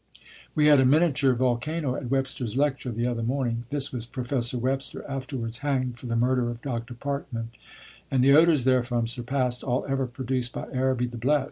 "We had a miniature volcano at Webster's lecture, the other morning [this was Professor Webster, afterwards hanged for the murder of Dr. Parkman], and the odors therefrom surpassed all ever produced by Araby the Blest.